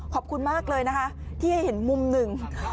ขอบคุณมากเลยนะคะที่ให้เห็นมุมหนึ่ง